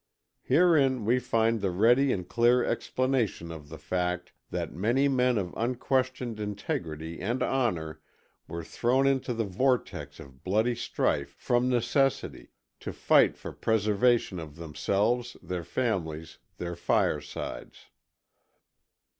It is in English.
Herein we find the ready and clear explanation of the fact that many men of unquestioned integrity and honor were thrown into the vortex of bloody strife from necessity, to fight for preservation of themselves, their families, their firesides.